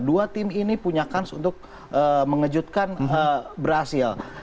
dua tim ini punya kans untuk mengejutkan brazil